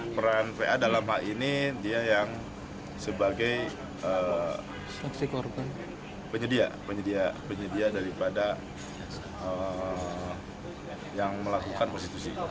peran va dalam hal ini dia yang sebagai penyedia daripada yang melakukan prostitusi